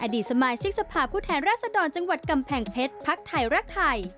อดีตสมัยชิคสภาพผู้แทนราษฎรจังหวัดกำแผ่งเพชรภักดิ์ไทยรักไทย